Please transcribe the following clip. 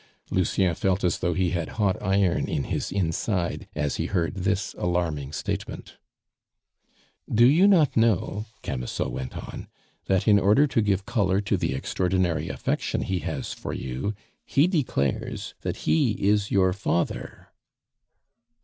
Lucien felt as though he had hot iron in his inside as he heard this alarming statement. "Do you not know," Camusot went on, "that in order to give color to the extraordinary affection he has for you, he declares that he is your father?"